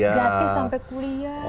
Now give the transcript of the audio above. gratis sampai kuliah